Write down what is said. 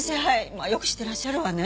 まあよく知ってらっしゃるわね。